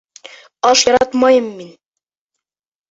— Аш яратмайым мин.